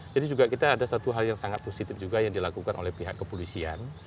jadi juga kita ada satu hal yang sangat positif juga yang dilakukan oleh pihak kepolisian